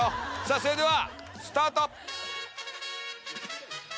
それではスタート！